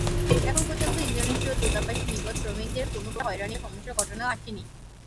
এখন পর্যন্ত ইন্দোনেশীয় দূতাবাসের নিকট শ্রমিকদের কোনপ্রকার হয়রানি বা সমস্যার ঘটনা আসে নি।